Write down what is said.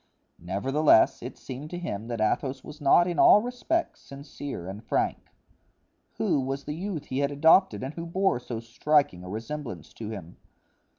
Nevertheless, it seemed to him that Athos was not in all respects sincere and frank. Who was the youth he had adopted and who bore so striking a resemblance to him?